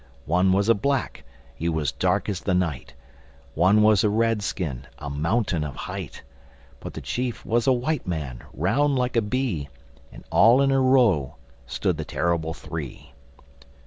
One was a Black—he was dark as the night; One was a Red skin, a mountain of height; But the chief was a White Man, round like a bee; And all in a row stood the Terrible Three.